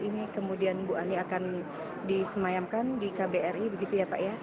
jadi setelah ini kemudian ibu ani akan disemayamkan di kbri begitu ya pak ya